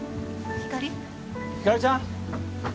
ひかりちゃん。